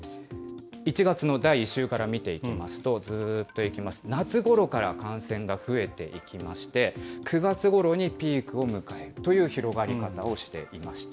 １月の第１週から見ていきますと、ずっといきます、夏ごろから感染が増えていきまして、９月ごろにピークを迎えるという広がり方をしていました。